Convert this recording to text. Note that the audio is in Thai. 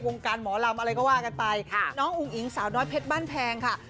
การหมอลำอะไรก็ว่ากันไปค่ะน้องอุ๋งอิ๋งสาวน้อยเพชรบ้านแพงค่ะ